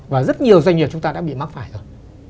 và rất nhiều doanh nghiệp chúng ta đã bị mắc phải rồi